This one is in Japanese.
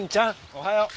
おはよう。